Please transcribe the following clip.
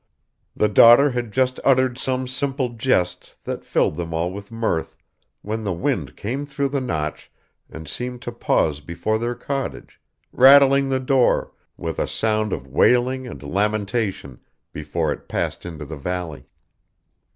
The daughter had just uttered some simple jest that filled them all with mirth, when the wind came through the Notch and seemed to pause before their cottage rattling the door, with a sound of wailing and lamentation, before it passed into the valley.